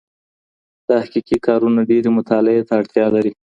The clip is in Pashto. تحقیقي کارونه ډېرې مطالعې ته اړتیا لري.